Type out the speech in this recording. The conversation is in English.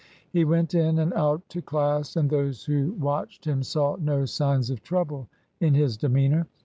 He went in and out to class, and those who watched him saw no signs of trouble in his demeanour.